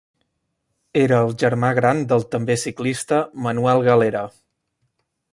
Era el germà gran del també ciclista Manuel Galera.